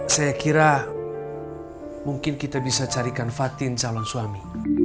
saya kira mungkin kita bisa carikan fatin calon suami